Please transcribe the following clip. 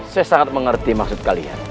saya sangat mengerti maksud kalian